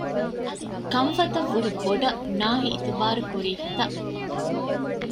ކަންފަތަށް ވުރެ ބޮޑަށް ނާހި އިތުބާރުކުރީ ހިތަށް